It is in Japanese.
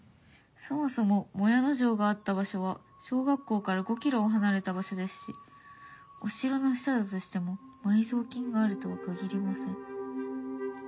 そもそも靄野城があった場所は小学校から５キロ離れた場所ですしお城の下だとしても埋蔵金があるとは限りません」。